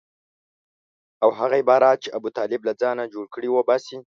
او هغه عبارات چې ابوطالب له ځانه جوړ کړي وباسي.